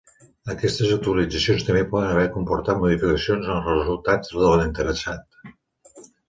Aquestes actualitzacions també poden haver comportat modificacions en els resultats de l'interessat.